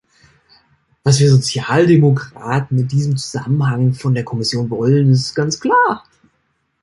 Was wir Sozialdemokraten in diesem Zusammenhang von der Kommission wollen, ist ganz klar.